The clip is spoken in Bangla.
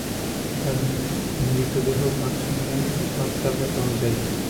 তাঁর মৃতদেহও বাথরুমের বাথটাবে পাওয়া যায়।